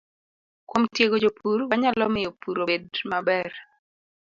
Kuom tiego jopur, wanyalo miyo pur obed maber